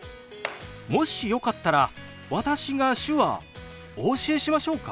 もしよかったら私が手話お教えしましょうか？